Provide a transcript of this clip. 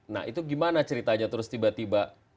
nah itu gimana ceritanya terus tiba tiba